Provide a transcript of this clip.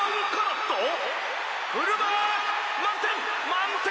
満点！